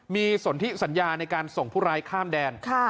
มีสนทิสัญญาในการส่งผู้ร้ายข้ามแดน